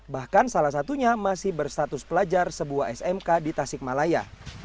bahkan salah satunya masih berstatus pelajar sebuah smk di tasikmalaya